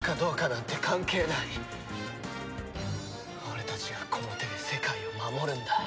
俺たちがこの手で世界を守るんだ。